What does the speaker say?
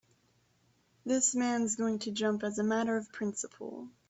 This man's going to jump as a matter of principle.